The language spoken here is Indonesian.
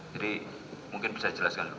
jadi mungkin bisa dijelaskan dulu